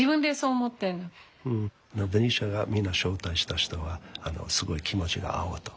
ベニシアがみんな招待した人はすごい気持ちが合うと。